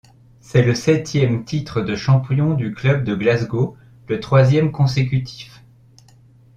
C’est le septième titre de champion du club de Glasgow, le troisième consécutif.